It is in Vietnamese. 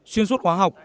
xuyên suốt khoa học